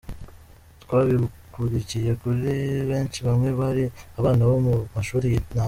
Twabikurikiye turi benshi; bamwe bari abana bo mu mashuli y'intango.